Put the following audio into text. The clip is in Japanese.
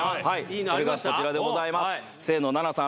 それがこちらでございます清野菜名さん